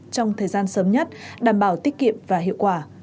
trong thời gian sớm nhất đảm bảo tiết kiệm và hiệu quả